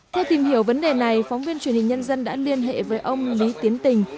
theo tìm hiểu vấn đề này phóng viên truyền hình nhân dân đã liên hệ với ông lý tiến tình